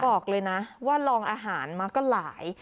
บอกเลยนะว่าลองอาหารมาก็หลาย